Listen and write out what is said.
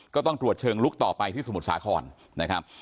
ก็ต้องตรวจเชิงลุกต่อไปที่สมุทรสาครนะครับ